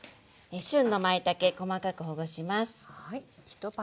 旬のまいたけ細かくほぐします。